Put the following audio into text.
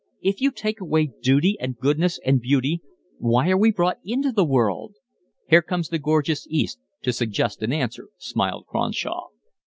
If you take away duty and goodness and beauty why are we brought into the world?" "Here comes the gorgeous East to suggest an answer," smiled Cronshaw.